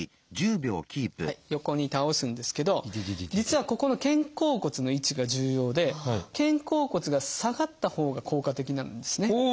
横に倒すんですけど実はここの肩甲骨の位置が重要で肩甲骨が下がったほうが効果的なんですね。